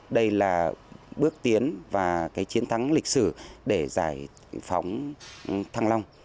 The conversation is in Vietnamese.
đây là bước tiến và cái chiến thắng lịch sử để giải phóng thăng long